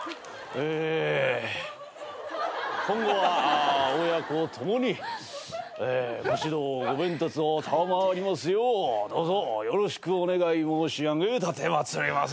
今後は親子ともにご指導ご鞭撻をたまわりますようどうぞよろしくお願い申し上げたてまつります。